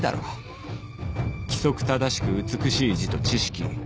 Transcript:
規則正しく美しい字と知識。